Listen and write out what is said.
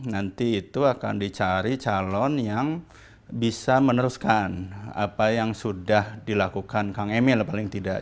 nanti itu akan dicari calon yang bisa meneruskan apa yang sudah dilakukan kang emil paling tidak